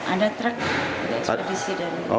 ada truk yang sudah disiapkan